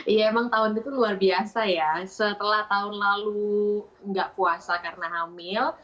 iya emang tahun itu luar biasa ya setelah tahun lalu nggak puasa karena hamil